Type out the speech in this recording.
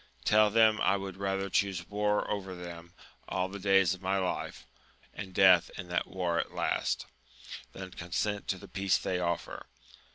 Tell them I would rather choose war with them all the days of my life, and death in that war at last, than consent to the peace they offer